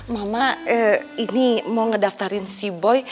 mama ini mau ngedaftarin si boy